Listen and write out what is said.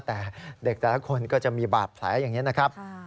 แต่เด็กแต่ละคนก็จะมีบาดแผลอย่างนี้นะครับ